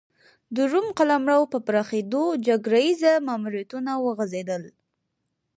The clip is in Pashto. د روم قلمرو په پراخېدو جګړه ییز ماموریتونه وغځېدل